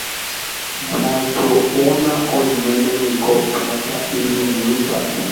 Jajo'óna oiméne niko Pláta Yvyguy mba'e.